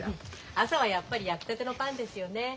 朝はやっぱり焼きたてのパンですよね。